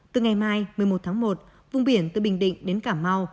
từ ngày mai một mươi một một vùng biển từ bình định đến cảm mau